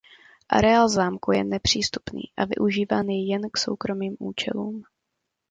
Areál zámku je nepřístupný a využíván je jen k soukromým účelům.